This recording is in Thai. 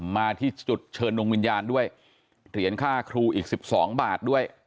มาที่จุดเชิญดวงวิญญาณด้วยเหรียญค่าครูอีก๑๒บาทด้วย